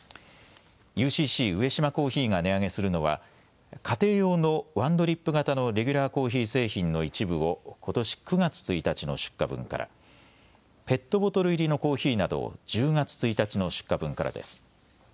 ＵＣＣ上島珈琲が値上げするのは家庭用のワンドリップ型のレギュラーコーヒー製品の一部をことし９月１日の出荷分から、ペットボトル入りのコーヒーなどを１０月１日の出荷分からです。